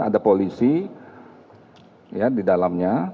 ada polisi di dalamnya